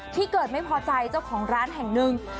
ที่เกิดไม่พอใจเจ้าของร้านแห่งหนึ่ง